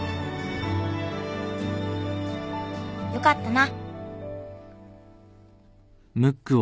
よかったな。